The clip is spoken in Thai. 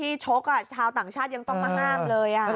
ชกชาวต่างชาติยังต้องมาห้ามเลย